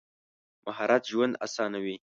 مهارت ژوند اسانوي.